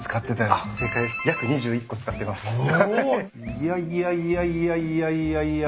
いやいやいやいやいやいや。